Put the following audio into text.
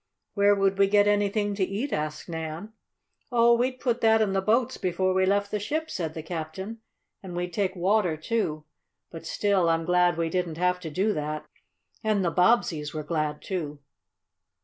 "Where would we get anything to eat?" asked Nan. "Oh, we'd put that in the boats before we left the ship," said the captain. "And we'd take water, too. But still I'm glad we didn't have to do that." And the Bobbseys were glad, too.